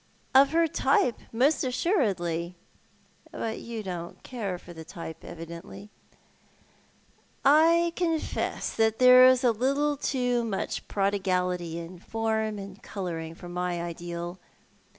" Of her type, most assuredly." " But you don't care for tlie type, evidently ?" "I confess that there is a little too much prodigality in form and colouring for my ideal.